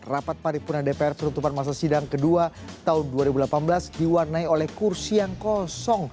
rapat paripurna dpr penutupan masa sidang kedua tahun dua ribu delapan belas diwarnai oleh kursi yang kosong